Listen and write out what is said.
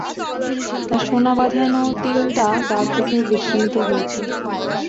তাঁর সোনাবাঁধানো তিনটা দাঁত দেখে বিস্মিত হয়েছি।